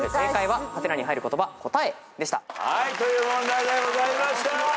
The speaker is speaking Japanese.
ということで。という問題でございました！